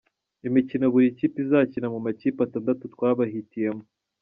Imikino buri kipe izakina mu makipe atandatu twabahitiyemo.